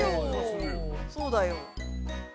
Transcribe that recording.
◆そうだよ。